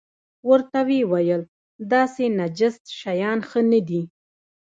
ورته ویې ویل داسې نجس شیان ښه نه دي.